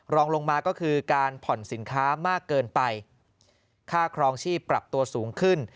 รองลงมาก็คือการผ่อนสินค้ามากเกินไปค่าครองชีพปรับตัวสูงขึ้น